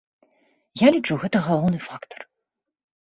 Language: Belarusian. Я лічу, гэта галоўны фактар.